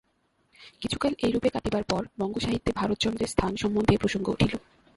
কিছুকাল এইরূপে কাটিবার পর বঙ্গসাহিত্যে ভারতচন্দ্রের স্থান সম্বন্ধে প্রসঙ্গ উঠিল।